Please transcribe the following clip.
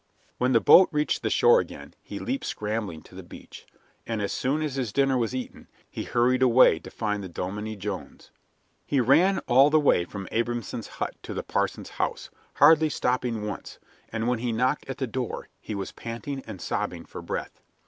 When the boat reached the shore again he leaped scrambling to the beach, and as soon as his dinner was eaten he hurried away to find the Dominie Jones. He ran all the way from Abrahamson's hut to the parson's house, hardly stopping once, and when he knocked at the door he was panting and sobbing for breath.